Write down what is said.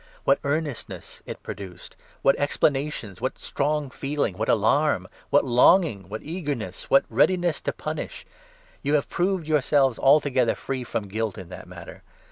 What earnestness it produced ! what explanations ! what strong feeling ! what alarm ! what longing ! what eagerness ! what readiness to punish ! You have proved yourselves altogether free from guilt in that matter.